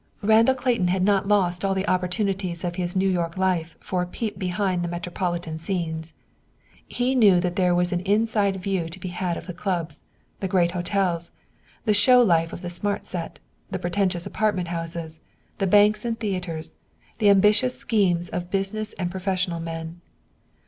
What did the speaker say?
Randall Clayton had not lost all the opportunities of his New York life for a peep behind the metropolitan scenes. He knew that there was an inside view to be had of the clubs, the great hotels, the show life of the smart set, the pretentious apartment houses, the banks and theaters, the ambitious schemes of business and professional men.